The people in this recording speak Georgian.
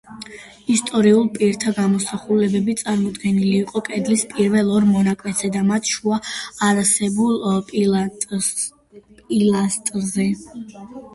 ისტორიულ პირთა გამოსახულებები, წარმოდგენილი იყო კედლის პირველ ორ მონაკვეთზე და მათ შუა არსებულ პილასტრზე.